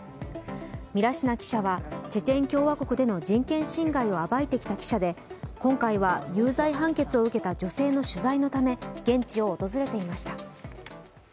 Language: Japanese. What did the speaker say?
ミラシナ記者はチェチェン共和国での人権侵害を暴いてきた記者で、今回は有罪判決を受けた女性の取材のため現地を訪れていました。